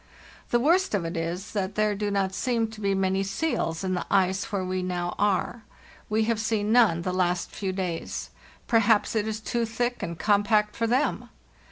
The worst of it is that there do not seem to be many seals in the ice where we now are. We have seen none the last few days. Perhaps it is too thick and compact for them